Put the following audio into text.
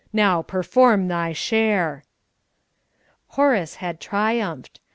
"Now perform thy share." Horace had triumphed.